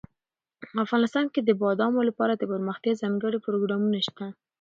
افغانستان کې د بادامو لپاره دپرمختیا ځانګړي پروګرامونه شته.